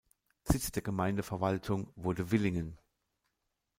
Sitz der Gemeindeverwaltung wurde Willingen.